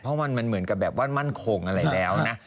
เพราะมันเหมือนกับแบบว่ามั่นคงอะไรแล้วนะ